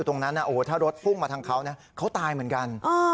ถ้ารถพุ่งมาทางเขาเขาตายเหมือนกัน